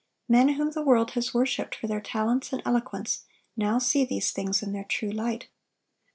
Men whom the world has worshiped for their talents and eloquence now see these things in their true light.